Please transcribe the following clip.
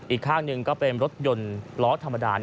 อีกข้างหนึ่งก็เป็นรถยนต์ล้อธรรมดา